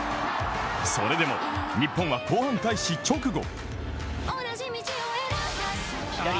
それでも、日本は後半開始直後。